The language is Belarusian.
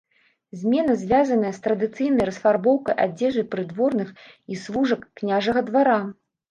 Змена звязаная з традыцыйнай расфарбоўкай адзежы прыдворных і служак княжага двара.